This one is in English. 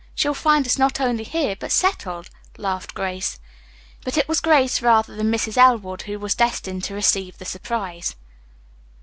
She'll find us not only here, but settled," laughed Grace. But it was Grace rather than Mrs. Elwood who was destined to receive the surprise.